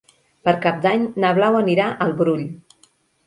Per Cap d'Any na Blau anirà al Brull.